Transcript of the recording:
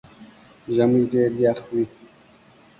ژمئ ډېر يخ وي